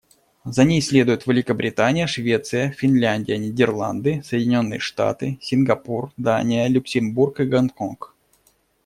За ней следуют Великобритания, Швеция, Финляндия, Нидерланды, Соединённые Штаты, Сингапур, Дания, Люксембург и Гонконг.